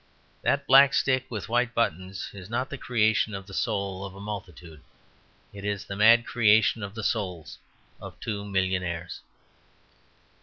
That black stick with white buttons is not the creation of the soul of a multitude. It is the mad creation of the souls of two millionaires."